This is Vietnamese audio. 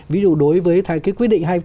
ví dụ đối với cái quyết định hai mươi